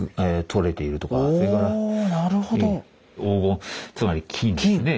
それから黄金つまり金ですね